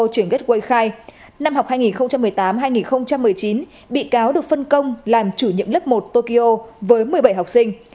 năm học hai nghìn một mươi tám hai nghìn một mươi chín bị cáo được phân công làm chủ nhiệm lớp một tokyo với một mươi bảy học sinh